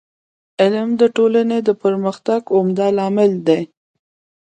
علم د ټولني د پرمختګ عمده لامل دی.